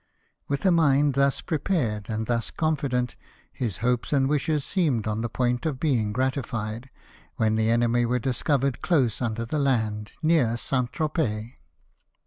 With a mind thus pre pared, and thus confident, his hopes and wishes seemed on the point of being gratified, when the enemy were discovered close under the land, near St. Tropez.